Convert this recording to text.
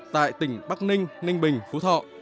tại tỉnh bắc ninh ninh bình phú thọ